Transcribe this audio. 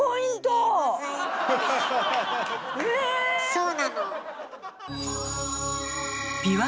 そうなの。